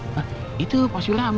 apa ada kaitannya dengan hilangnya sena